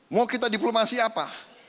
mau kita diplomasi apa